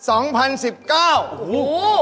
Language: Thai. โอ้โห